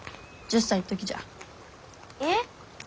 えっ？